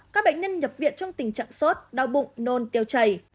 các bệnh nhân nhập viện trong tình trạng sốt đau bụng nôn tiêu chảy